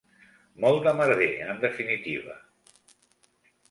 Molt de merder, en definitiva.